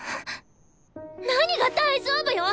何が「大丈夫」よ！